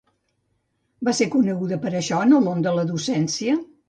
Va ser coneguda per això en el món de la docència?